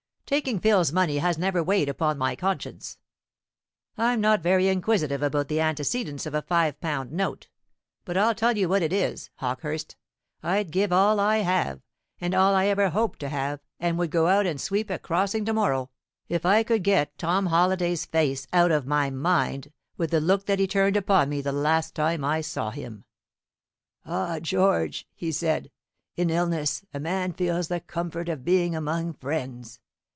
Taking Phil's money has never weighed upon my conscience. I'm not very inquisitive about the antecedents of a five pound note; but I'll tell you what it is, Hawkehurst, I'd give all I have, and all I ever hope to have, and would go out and sweep a crossing to morrow, if I could get Tom Halliday's face out of my mind, with the look that he turned upon me the last time I saw him. 'Ah, George,' he said, 'in illness a man feels the comfort of being among friends!'